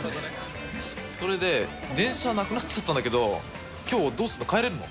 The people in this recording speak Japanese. それで、電車なくなっちゃったんだけど、きょう、どうするの？